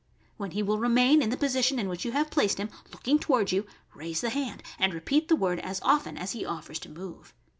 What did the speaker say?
When he will remain in the position in which you have placed him, looking toward you, raise the hand and repeat the word as often 51 s he offers to move.